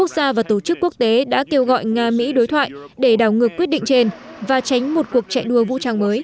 gia và tổ chức quốc tế đã kêu gọi nga mỹ đối thoại để đảo ngược quyết định trên và tránh một cuộc chạy đua vũ trang mới